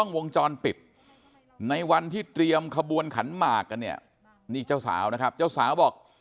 วงจรปิดในวันที่เตรียมขบวนขันหมากกันเนี่ยนี่เจ้าสาวนะครับเจ้าสาวบอก